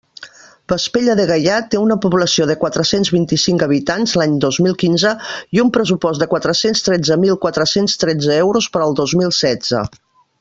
Vespella de Gaià té una població de quatre-cents vint-i-cinc habitants l'any dos mil quinze i un pressupost de quatre-cents tretze mil quatre-cents tretze euros per al dos mil setze.